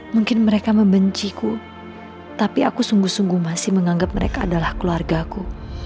mungkin mereka membenciku tapi aku sungguh sungguh masih menganggap mereka adalah keluargaku